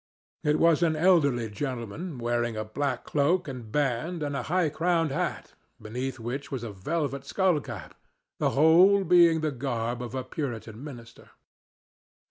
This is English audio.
It was an elderly gentleman wearing a black cloak and band and a high crowned hat beneath which was a velvet skull cap, the whole being the garb of a Puritan minister.